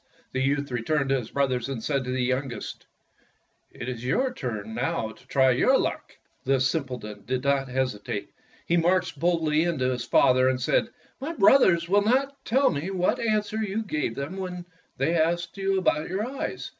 The youth returned to his brothers and said to the youngest, "It is your turn now to try your luck." The simpleton did not hesitate. He marched boldly in to his father and said: " My brothers will not tell me what answer you gave them when they asked you about your eyes.